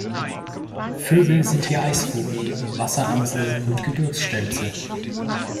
Vögel sind hier Eisvogel, Wasseramsel und Gebirgsstelze.